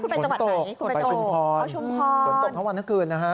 คุณไปจังหวัดไหนคุณไปชุมพรอ๋อชุมพรฝนตกทั้งวันเมื่อคืนนะคะ